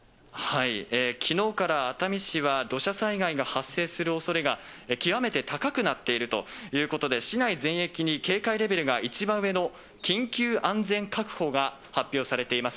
きのうから熱海市は土砂災害が発生するおそれが極めて高くなっているということで、市内全域に警戒レベルが、一番上の緊急安全確保が発表されています。